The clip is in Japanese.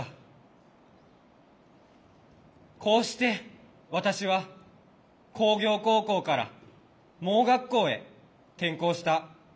こうして私は工業高校から盲学校へ転校した。